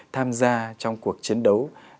tham gia trong cuộc chiến đấu